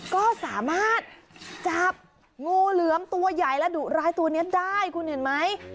ก็สามารถจับงูเหลือมตัวใหญ่และดุร้ายตัวนี้ได้คุณเห็นไหม